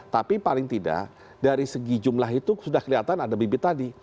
tapi paling tidak dari segi jumlah itu sudah kelihatan ada bibit tadi